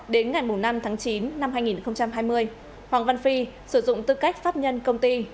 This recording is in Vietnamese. đến ngày năm tháng chín năm hai nghìn hai mươi hoàng văn phi sử dụng tư cách pháp nhân công ty